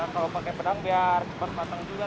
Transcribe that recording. kalau pakai pedang biar cepat matang juga